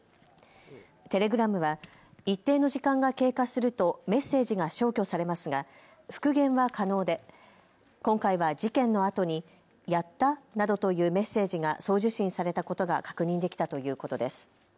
テレグラムは一定の時間が経過するとメッセージが消去されますが復元は可能で今回は事件のあとにやった？などというメッセージが送受信されたことが確認できたということです。